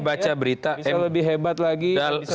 baca berita yang lebih hebat lagi